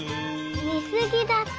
みすぎだって！